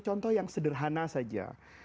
contoh yang sederhana saja